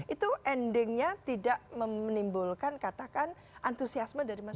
itu endingnya tidak menimbulkan katakan antusiasme dari masyarakat